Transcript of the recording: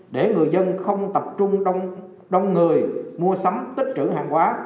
để người dân không tập trung đông người mua sắm tích trữ hàng hóa